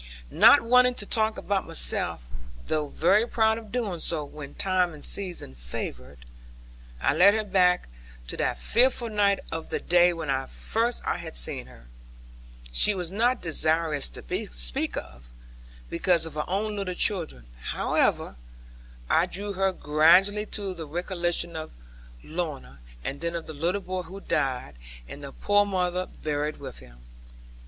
Not wanting to talk about myself (though very fond of doing so, when time and season favour) I led her back to that fearful night of the day when first I had seen her. She was not desirous to speak of it, because of her own little children; however, I drew her gradually to recollection of Lorna, and then of the little boy who died, and the poor mother buried with him.